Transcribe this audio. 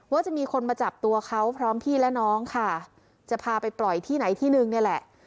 ว่าจะมีคนมาจับตัวเขาพร้อมพี่และน้องค่ะจะพาไปปล่อยที่ไหนที่นึงนี่แหละ